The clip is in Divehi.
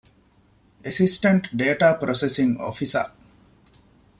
އެސިސްޓެންޓް ޑޭޓާ ޕްރޮސެސިންގ އޮފިސަރ